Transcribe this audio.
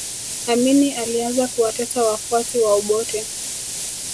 amini alianza kuwatesa wafuasi wa obote